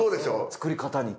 作り方に。